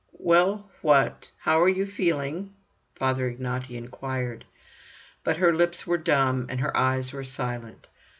"Well, what? How are you feeling?" Father Ignaty inquired. But her lips were dumb, and her eyes were silent.